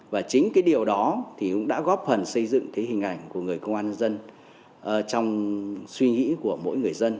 và chính điều đó đã góp phần xây dựng hình ảnh của người công an dân trong suy nghĩ của mỗi người dân